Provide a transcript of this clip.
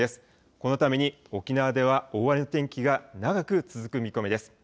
このために沖縄では大荒れの天気が長く続く見込みです。